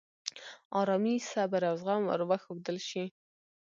آرامي، صبر، او زغم ور وښودل شي.